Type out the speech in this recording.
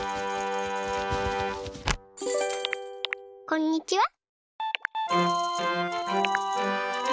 こんにちは。